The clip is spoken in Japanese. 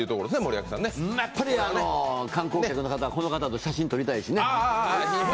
やっぱり観光客の方はこの方と写真撮りたいしね。